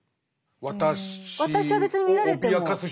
私は別に見られても。